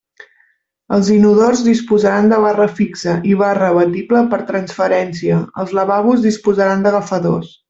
Els inodors disposaran de barra fixa i barra abatible per a transferència, els lavabos disposaran d'agafadors.